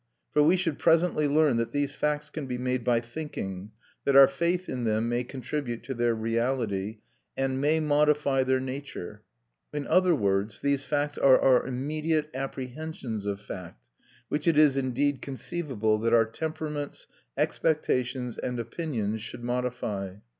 For we should presently learn that these facts can be made by thinking, that our faith in them may contribute to their reality, and may modify their nature; in other words, these facts are our immediate apprehensions of fact, which it is indeed conceivable that our temperaments, expectations, and opinions should modify.